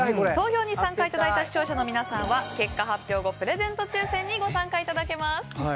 投票に参加いただいた視聴者の皆さんは結果発表後、プレゼント抽選にご参加いただけます。